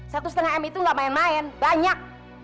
satu setengah m itu gak main main banyak